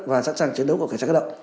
và sẵn sàng chiến đấu của cảnh sát cơ động